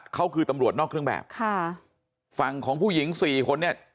เขาคือตำรวจนอกเครื่องแบบค่ะฝั่งของผู้หญิงสี่คนเนี่ย